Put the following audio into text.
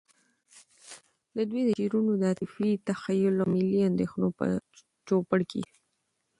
د دوی د شعرونو د عاطفی، تخیّل، او ملی اندیښنو په چو پړ کي